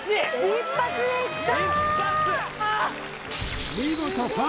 一発でいった！